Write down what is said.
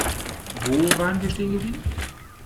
Wo waren wir stehen geblieben?